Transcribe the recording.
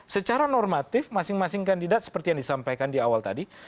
secara normatif masing masing kandidat seperti yang disampaikan di awal tadi